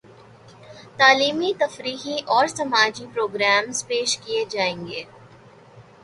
تعلیمی ، تفریحی اور سماجی پرو گرامز پیش کیے جائیں گے